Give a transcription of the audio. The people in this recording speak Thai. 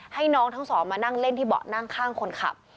ให้น้องทั้งสองมานั่งเล่นที่เบาะนั่งข้างคนขับ